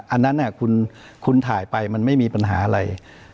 อันนั้นคุณถ่ายไปมันไม่มีปัญหาอะไร